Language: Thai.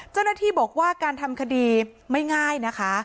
เจ้าหน้าที่บอกว่าการทำคดีไม่ง่ายนะคะ